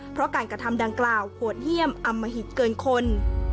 เพราะการกระทำดังกล่าวโหดเยี่ยมอมหิตเกินคน